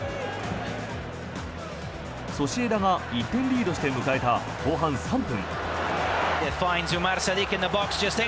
ソシエダが１点リードして迎えた後半３分。